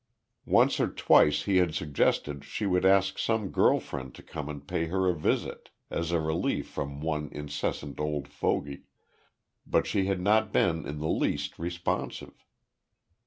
Once or twice he had suggested she should ask some girl friend to come and pay her a visit, as a relief from one incessant old fogey, but she had not been in the least responsive.